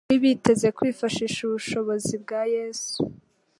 Bari biteze kwifashisha ubushobozi bwa Yesu,